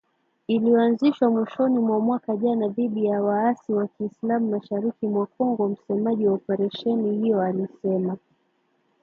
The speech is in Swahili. Iliyoanzishwa mwishoni mwa mwaka jana dhidi ya waasi wa kiislam mashariki mwa Kongo, msemaji wa operesheni hiyo alisema